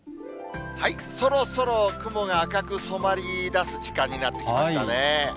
そろそろ雲が赤く染まりだす時間になってきましたね。